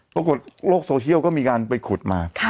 ปรากฏโลกโซเชียลก็มีการไปขุดมา